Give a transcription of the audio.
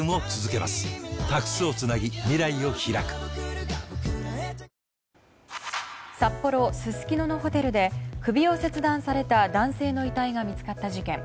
疱疹札幌・すすきののホテルで首を切断された男性の遺体が見つかった事件。